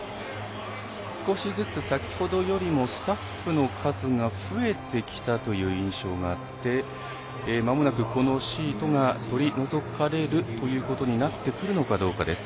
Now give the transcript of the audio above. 少しずつ先ほどよりもスタッフの数が増えてきてたという印象があってまもなく、このシートが取り除かれるということになってくるのかどうかです。